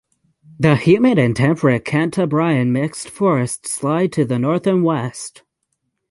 The humid and temperate Cantabrian mixed forests lie to the north and west.